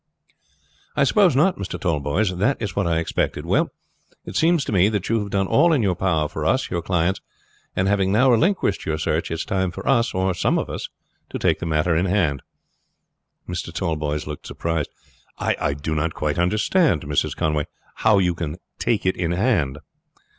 "I suppose not, Mr. Tallboys; that is what I expected. Well, it seems to me that you having done all in your power for us, your clients, and having now relinquished your search, it is time for us, or some of us, to take the matter in hand."' Mr. Tallboys looked surprised. "I do not quite understand, Mrs. Conway, how you can take it in hand."